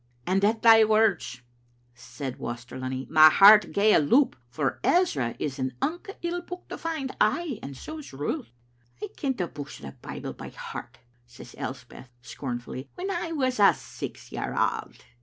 '"" And at thae words," said Waster Lunny, " my heart gae a loup, for Ezra is an unca ill book to find; ay, and so is Ruth." "I kent the books o' the Bible by heart," said Els peth, scornfully, "when I was a sax year auld."